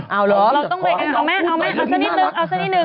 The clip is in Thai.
เอาเหรอเราต้องเบรกเอาแม่เอาซะนิดนึง